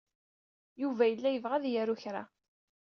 Yuba yella yebɣa ad d-yaru kra.